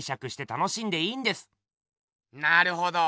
なるほど。